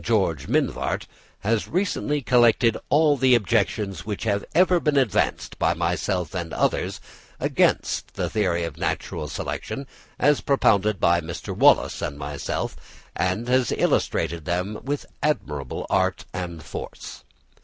George Mivart, has recently collected all the objections which have ever been advanced by myself and others against the theory of natural selection, as propounded by Mr. Wallace and myself, and has illustrated them with admirable art and force.